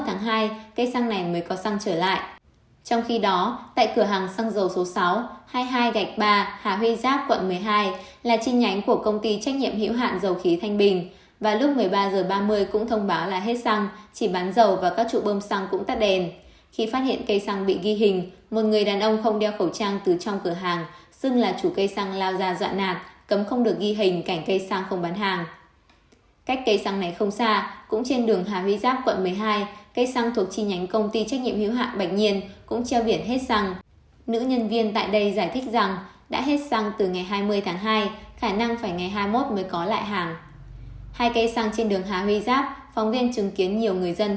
hai cây xăng trên đường hà huy giáp phóng viên chứng kiến nhiều người dân không thể đổ xăng phải cầm can xăng chạy lòng vòng thậm chí tìm những điểm bán xăng lẻ